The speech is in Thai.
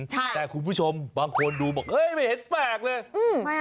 แต่คุณผู้ชมบางคนดูบอกเฮ้ยไม่เห็นแปลกเลย